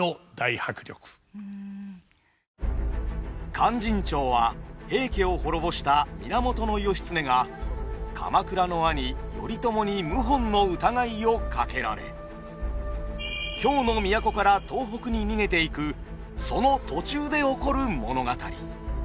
「勧進帳」は平家を滅ぼした源義経が鎌倉の兄頼朝に謀反の疑いをかけられ京の都から東北に逃げていくその途中で起こる物語。